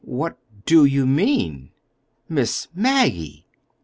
"What do you mean?" "_Miss Maggie!